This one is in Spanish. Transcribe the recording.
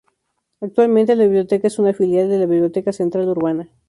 Actualmente la biblioteca es una filial de la Biblioteca Central Urbana.